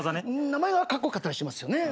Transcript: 名前はカッコ良かったりしますよね。